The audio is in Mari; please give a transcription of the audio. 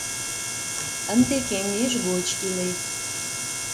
Ынде кеҥеж гоч илет...